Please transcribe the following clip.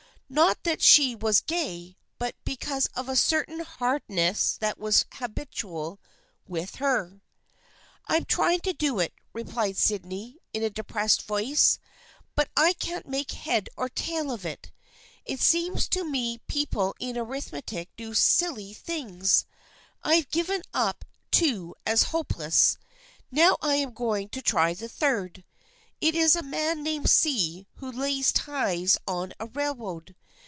Not that she was gay, but because of a certain hardness that was habitual with her. " I am trying to do it," replied Sydney in a de pressed voice, " but I can't make head or tail of it. It seems to me people in arithmetic do such silly things. I have given up two as hopeless. Now I am going to try the third. It is a man named C who lays ties on a railroad.